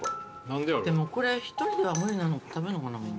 でもこれ１人では無理食べんのかなみんな。